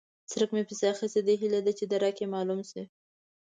څرک مې پسې اخيستی دی؛ هيله ده چې درک يې مالوم شي.